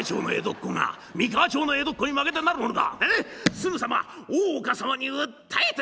すぐさま大岡様に訴えて出よう！」。